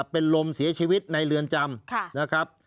เป็นลมเสียชีวิตในเรือนจำนะครับ